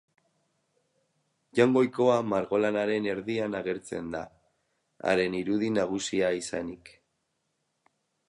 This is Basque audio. Jaungoikoa margolanaren erdian agertzen da, haren irudi nagusia izanik.